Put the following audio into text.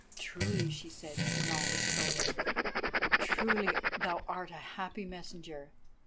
"Truly," she said, when all was told, "truly thou art a happy messenger.